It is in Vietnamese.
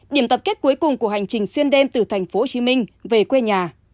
điểm tập kết cuối cùng của hành trình xuyên đêm từ tp hcm về quê nhà